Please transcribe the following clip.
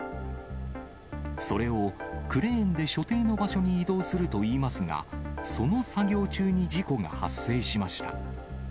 それをクレーンで所定の場所に移動するといいますが、その作業中に事故が発生しました。